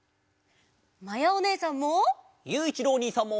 まやおねえさんも。